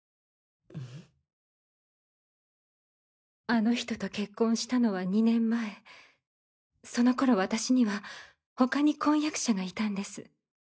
あの人と結婚したのは２年前その頃私には他に婚約者がいたんです。